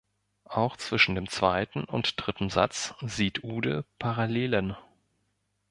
Auch zwischen dem zweiten und dritten Satz sieht Uhde Parallelen.